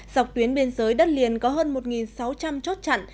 dọc tuyến biên giới đất liền có hơn một sáu trăm linh chốt chặn